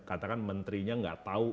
katakan menterinya nggak tahu